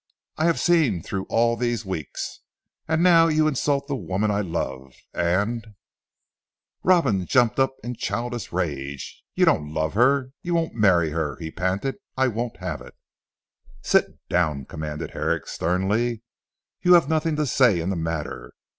I have seen through all these weeks. And now you insult the woman I love, and " Robin jumped up in a childish rage. "You don't love her you won't marry her," he panted. "I won't have it!" "Sit down," commanded Herrick sternly, "you have nothing to say in the matter.